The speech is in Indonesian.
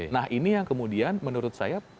nah ini yang kemudian menurut saya